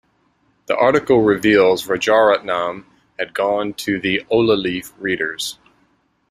The article reveals, Rajaratnam had gone to the ola-leaf readers.